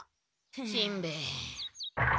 しんべヱ。